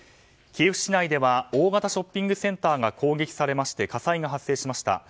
キエフ市内では大型ショッピングセンターが攻撃されまして火災が発生しました。